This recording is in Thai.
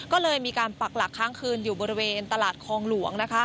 ก็เลยมีการปักหลักค้างคืนอยู่บริเวณตลาดคลองหลวง